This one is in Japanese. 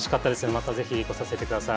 また是非来させてください。